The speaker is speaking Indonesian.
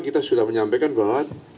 kita sudah menyampaikan bahwa